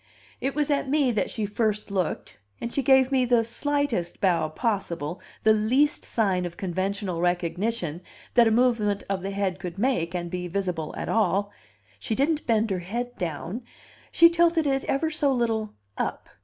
It was at me that she first looked, and she gave me the slightest bow possible, the least sign of conventional recognition that a movement of the head could make and be visible at all; she didn't bend her head down, she tilted it ever so little up.